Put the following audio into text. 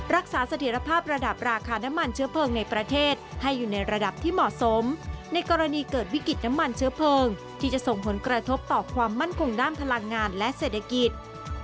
สถิตภาพระดับราคาน้ำมันเชื้อเพลิงในประเทศให้อยู่ในระดับที่เหมาะสมในกรณีเกิดวิกฤตน้ำมันเชื้อเพลิงที่จะส่งผลกระทบต่อความมั่นคงด้านพลังงานและเศรษฐกิจ